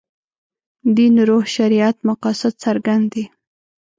دین روح شریعت مقاصد څرګند دي.